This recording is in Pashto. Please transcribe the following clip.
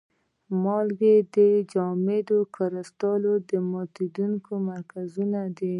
مالګې جامد کرستلي او ماتیدونکي مرکبونه دي.